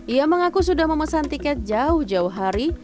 ia mengaku sudah memesan tiket jauh jauh hari